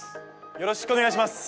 よろしくお願いします